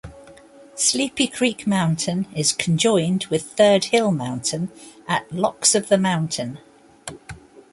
Sleepy Creek Mountain is conjoined with Third Hill Mountain at "Locks-of-the-Mountain".